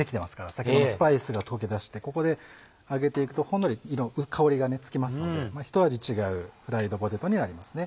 先ほどのスパイスが溶け出してここで揚げていくとほんのり香りがつきますので一味違うフライドポテトになりますね。